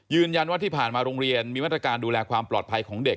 ยืนยันว่าที่ผ่านมาโรงเรียนมีมาตรการดูแลความปลอดภัยของเด็ก